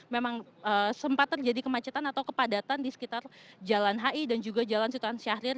memang sempat terjadi kemacetan atau kepadatan di sekitar jalan hi dan juga jalan sutan syahrir